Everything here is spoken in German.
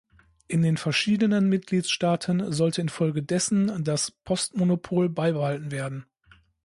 In den verschiedenen Mitgliedstaaten sollte infolgedessen das Postmonopol beibehalten werden.